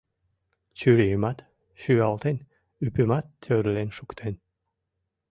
Чурийымат шӱалтен, ӱпымат тӧрлен шуктен.